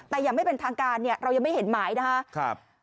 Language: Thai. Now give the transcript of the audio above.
แต่อย่างไม่เป็นทางการเนี่ยเรายังไม่เห็นหมายนะครับ